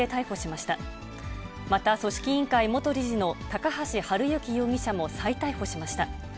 また組織委員会元理事の高橋治之容疑者も再逮捕しました。